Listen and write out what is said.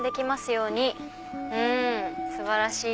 うん素晴らしい！